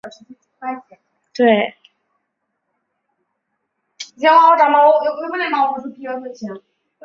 江西省新昌县棠浦镇沐溪村人。